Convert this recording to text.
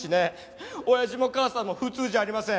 親父も母さんも普通じゃありません。